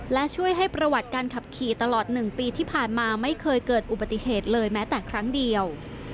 และช่วยให้ประวัติการขับขี่ตลอด๑ปีที่ผ่านมาไม่เคยเกิดอุบัติเหตุเลยแม้แต่ครั้งเดียว